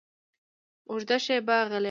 اوږده شېبه غلی و.